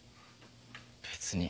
別に。